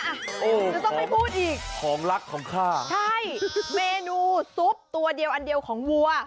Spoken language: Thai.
จะต้องไม่พูดอีกของรักของข้าใช่เมนูซุปตัวเดียวอันเดียวของวัว